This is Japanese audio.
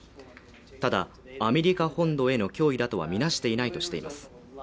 ただアメリカ本土への脅威だとは見なしていないとしています